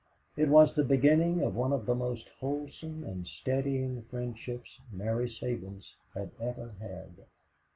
It was the beginning of one of the most wholesome and steadying friendships Mary Sabins had ever had.